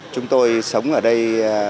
chúng tôi sống ở đây